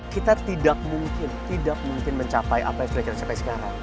kita tidak mungkin tidak mungkin mencapai apa yang sudah kita capai sekarang